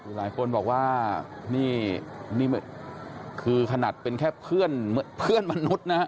หลายคนบอกว่านี่นี่คือขนาดเป็นแค่เพื่อนมนุษย์นะฮะ